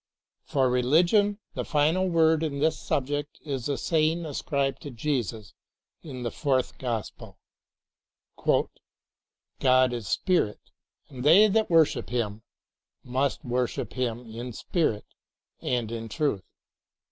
For religion the final word on this subject is the saying ascribed to Jesus in the fourth Gospel, *'God is Spirit, and they that worship Him must worship Him in spirit and in truth."